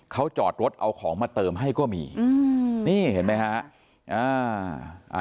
เขาจอดรถเอาของมาเติมให้ก็มีอืมนี่เห็นไหมฮะอ่า